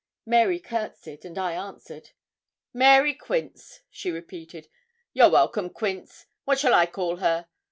Mary courtesied, and I answered. 'Mary Quince,' she repeated. 'You're welcome, Quince. What shall I call her?